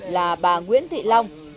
là bà nguyễn thị long